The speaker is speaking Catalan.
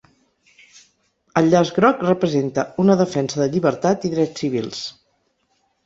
El llaç groc representa una defensa de llibertat i drets civils.